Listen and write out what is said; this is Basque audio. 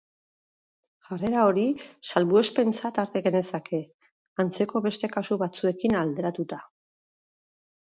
Jarrera hori salbuespentzat har genezake, antzeko beste kasu batzuekin alderatuta.